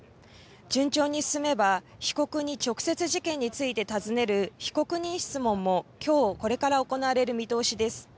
順調に進めば被告に直接、事件について尋ねる被告人質問もきょうこれから行われる見通しです。